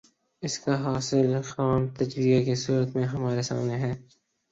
اس کا حاصل خام تجزیے کی صورت میں ہمارے سامنے ہے۔